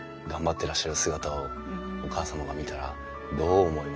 てらっしゃる姿をお母様が見たらどう思いますかね？